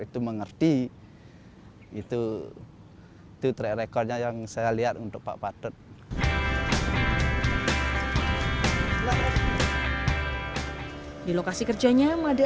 itu mengerti itu itu track recordnya yang saya lihat untuk pak patut di lokasi kerjanya mada